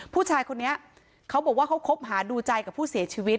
ผู้ชายคนนี้เขาบอกว่าเขาคบหาดูใจกับผู้เสียชีวิต